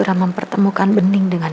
jangan berfikir gitu dong nah